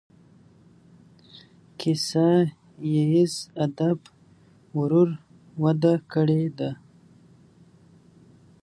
کیسه ییز ادب ورو وده کړې ده.